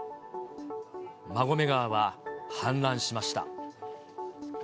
馬込川は氾濫しました。